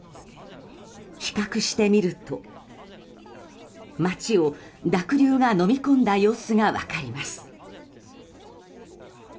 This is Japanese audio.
比較してみると、町を濁流がのみ込んだ様子が分かります。